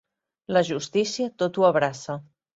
La justícia tot ho abraça.